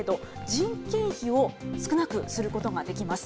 人件費を少なくすることができます。